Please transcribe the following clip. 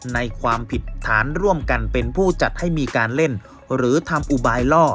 ความผิดฐานร่วมกันเป็นผู้จัดให้มีการเล่นหรือทำอุบายล่อ